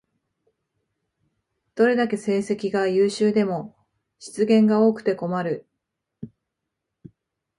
どれだけ成績が優秀でも失言が多くて困る